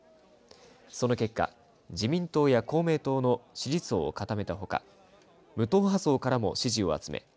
その結果自民党や公明党の支持層を固めたほか無党派層からも支持を集め